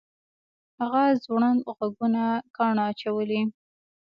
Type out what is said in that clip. هغه ځوړند غوږونه کاڼه اچولي